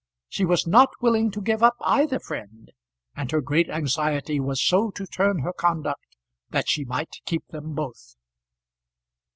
She was not willing to give up either friend, and her great anxiety was so to turn her conduct that she might keep them both.